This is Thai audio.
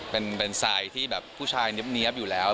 เป็นทรายที่แบบผู้ชายเนี๊ยบอยู่แล้ว